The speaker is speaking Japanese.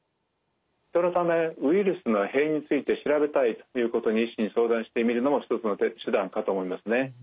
そのためウイルスの変異について調べたいということを医師に相談してみるのも一つの手段かと思いますね。